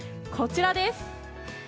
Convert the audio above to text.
こちらです。